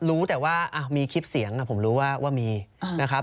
รู้แต่ว่ามีคลิปเสียงผมรู้ว่ามีนะครับ